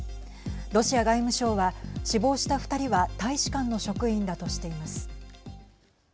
ロシア外務省は死亡した２人は大使館の職員だとしています。